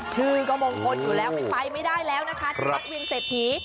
ชื่อก็มงคลอยู่แล้วไม่ไปไม่ได้แล้วนะคะที่วัดเวียงเศรษฐี